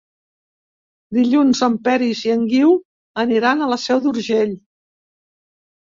Dilluns en Peris i en Guiu aniran a la Seu d'Urgell.